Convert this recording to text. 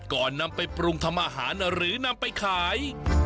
ก่อนนำไปปรุงทำอาหารหรือนำไปขาย